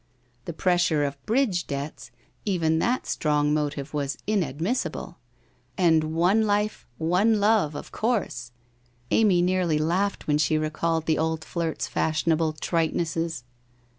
The pressure of bridge debts— even that strong motive was inadmissible! And one life — one love — of course! Amy nearly laughed when she recalled the old flirt's fashionable tritenesses.